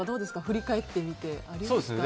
振り返ってみてありますか？